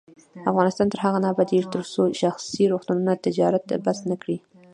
افغانستان تر هغو نه ابادیږي، ترڅو شخصي روغتونونه تجارت بس نکړي.